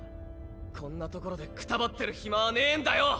こんなところでくたばってる暇はねぇんだよ！